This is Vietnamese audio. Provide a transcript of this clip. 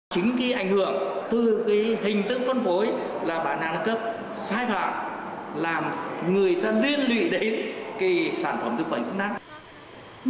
chính cái ảnh hưởng từ cái hình tức phân phối là bán hàng đa cấp sai phạm làm người ta liên lụy đến cái sản phẩm thực phẩm chức năng